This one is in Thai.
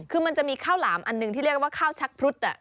คือมันจะมีข้าวหลามอันหนึ่งที่เรียกว่าข้าวชักพรุษ